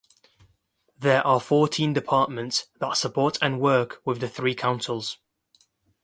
There are fourteen departments that support and work with the three councils.